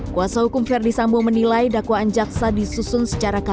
kuasa hukum ferdi sambolah menilai dakwaan jaksa disusun secara kebenaran